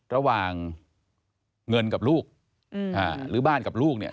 ระหว่างเงินกับลูกหรือบ้านกับลูกเนี่ย